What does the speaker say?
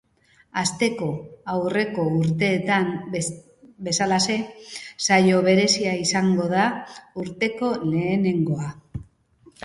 Hasteko, aurreko urteetan bezalaxe, saio berezia izango da urteko lehenengoa.